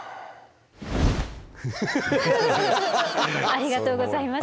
ありがとうございます。